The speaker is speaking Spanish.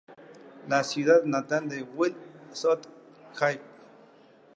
La ciudad natal de Will, South Cape...